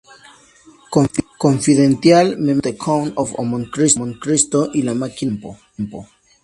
Confidential", "Memento", "The Count of Monte Cristo" y "La máquina del tiempo".